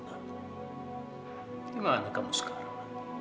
di mana kamu sekarang